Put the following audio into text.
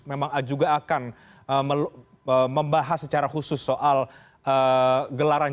memang juga akan membahas secara khusus soal gelaran g dua puluh